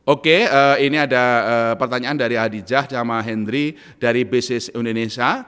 oke ini ada pertanyaan dari adhijah dhamma hendry dari business indonesia